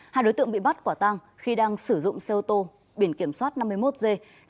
hai đối tượng bị bắt quả tang khi đang sử dụng xe ô tô biển kiểm soát năm mươi một g sáu mươi ba nghìn bảy trăm tám mươi bốn